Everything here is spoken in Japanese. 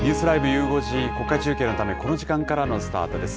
ゆう５時、国会中継のため、この時間からのスタートです。